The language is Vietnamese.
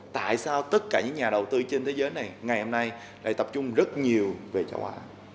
tại sao tất cả những nhà đầu tư trên thế giới này ngày hôm nay lại tập trung rất nhiều về châu á